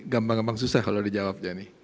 gampang gampang susah kalau dijawab jani